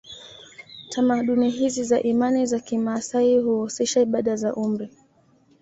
Tamaduni hizi za imani za kimaasai huhusisha ibada za umri